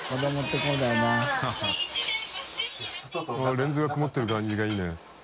レンズが曇ってる感じがいいね。